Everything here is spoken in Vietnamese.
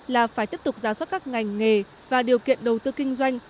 là phải tiếp tục giả soát các ngành nghề và điều kiện đầu tư kinh doanh